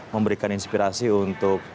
memberikan inspirasi untuk